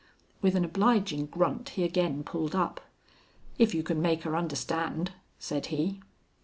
With an obliging grunt he again pulled up. "If you can make her understand," said he.